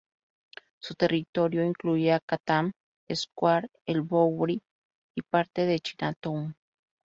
Su territorio incluía Chatham Square, el Bowery y parte de Chinatown.